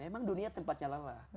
emang dunia tempatnya lelah